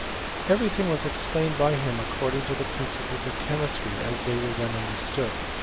. Every thing was explained by him according to the principles of chemistry ^ as they were then understood.